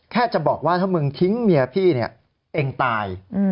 แค่จะบอกว่าถ้ามึงทิ้งเมียพี่เนี่ยเองตาย